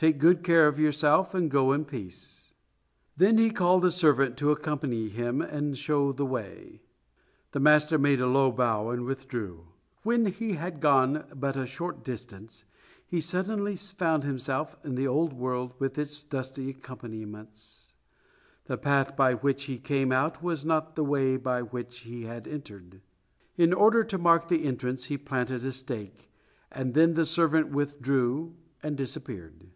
Take good care of yourself and go in peace." He then called a servant to accompany him and show the way. The master made a low bow and withdrew. When he had gone but a short distance he suddenly found himself in the old world with its dusty accompaniments. The path by which he came out was not the way by which he had entered. In order to mark the entrance he planted a stake, and then the servant withdrew and disappeared.